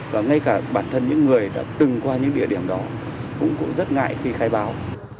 và ngay cả bản thân những người đã từng qua những địa điểm đó cũng rất ngại khi khai báo